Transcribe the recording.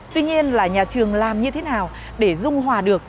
tuy nhiên là nhà trường làm như thế nào để dung hòa được